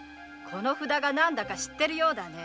この札が何だか知ってるようだね。